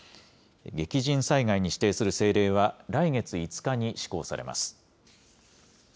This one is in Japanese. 激甚災害に指定する政令は、来月５日に施行されます。